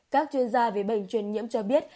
các chuyên gia về bệnh truyền nhiễm cho biết